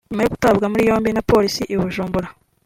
nyuma yo gutabwa muri yombi na Polisi i Bujumbura